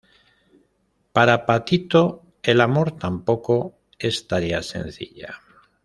Para Patito el amor tampoco es tarea sencilla.